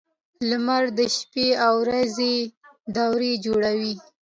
• لمر د شپې او ورځې دورې جوړوي.